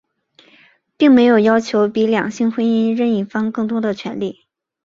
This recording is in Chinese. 并没有要求比两性婚姻任一方更多的权利。